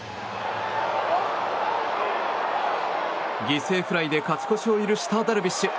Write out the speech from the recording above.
犠牲フライで勝ち越しを許したダルビッシュ。